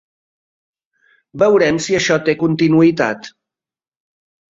Veurem si això té continuïtat.